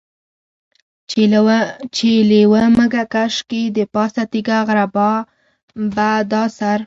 چې لېوه مږه کش کي دپاسه تيږه غربا په دا سر.